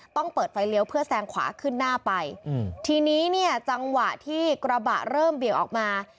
ต้องเปิดไฟเลี้ยวเพื่อแซงขวาขึ้นหน้าไปอืมทีนี้เนี่ยจังหวะที่กระบะเริ่มเบี่ยงออกมา